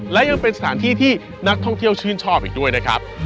และยังเป็นสถานที่ที่นักท่องเที่ยวชื่นชอบอีกด้วยนะครับ